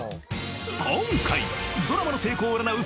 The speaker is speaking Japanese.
［今回ドラマの成功を占う